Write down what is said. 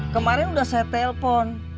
kemarin udah saya telpon